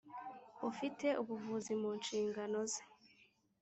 ufite ubuvuzi mu nshingano ze.